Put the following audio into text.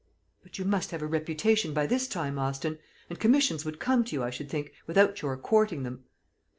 "But you must have a reputation by this time, Austin; and commissions would come to you, I should think, without your courting them."